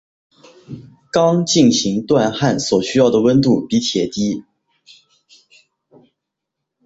钢进行锻焊所需要的温度比铁低。